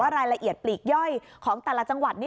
รายละเอียดปลีกย่อยของแต่ละจังหวัดนี้